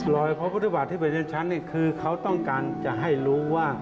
พระพุทธบาทที่เป็นชั้นนี่คือเขาต้องการจะให้รู้ว่า